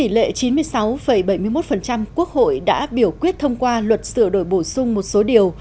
lệ chín mươi sáu bảy mươi một quốc hội đã biểu quyết thông qua luật sửa đổi bổ sung một số điều